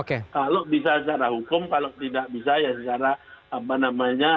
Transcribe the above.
kalau bisa secara hukum kalau tidak bisa ya secara apa namanya